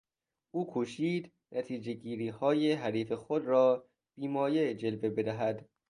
او کوشید نتیجهگیریهای حریف خود را بی مایه جلوه بدهد.